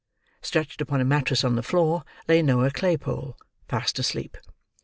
Stretched upon a mattress on the floor, lay Noah Claypole, fast asleep.